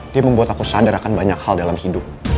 dia membuat aku sadar akan banyak hal dalam hidup